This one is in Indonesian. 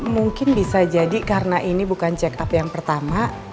mungkin bisa jadi karena ini bukan check up yang pertama